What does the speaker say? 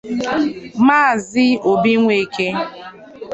Maazị Obi Nweke